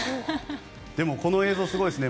でもこの映像、すごいですね。